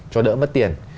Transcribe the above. cho đỡ mất tiền